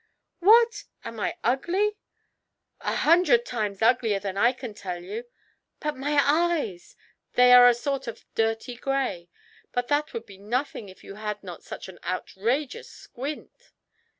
"What! am I ugly?" "A hundred times uglier than I can tell you." "But my eyes " "They are a sort of dirty gray; but that would be nothing if you had not such an outrageous squint!"